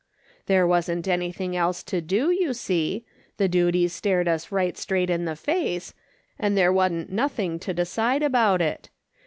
There wasn't any thing else to do ; you see, the duty stared us right straight in the face, and there wa'n't nothing to decide about it.